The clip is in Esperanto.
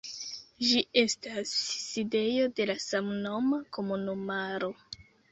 Ĝi estas sidejo de la samnoma komunumaro.